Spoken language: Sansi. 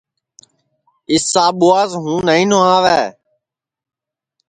اِس ساٻواس ہوں نائی نھواوے